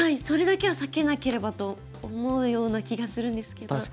それだけは避けなければと思うような気がするんですけど。